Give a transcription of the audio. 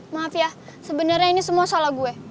maaf ya sebenarnya ini semua salah gue